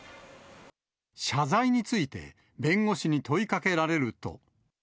謝罪について、弁護士に問いかけられると。